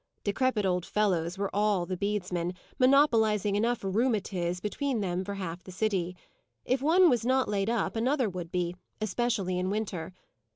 Decrepit old fellows were all the bedesmen, monopolizing enough "rheumatiz" between them for half the city. If one was not laid up, another would be, especially in winter.